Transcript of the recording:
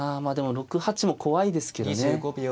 まあでも６八も怖いですけどね。